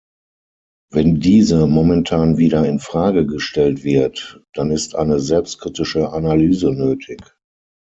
Wenn diese momentan wieder in Frage gestellt wird, dann ist eine selbstkritische Analyse nötig.